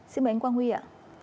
xin mời anh quang huy ạ